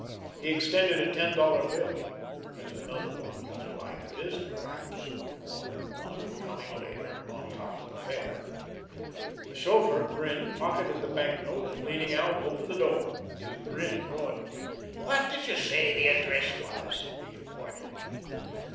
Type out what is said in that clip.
He extended a ten dollar bill. "There's another one just like this, perhaps more than one, coming later—on top of the fare." The chauffeur grinned, pocketed the banknote, and, leaning out, opened the door. His grin broadened. "What did you say the address was?" he inquired.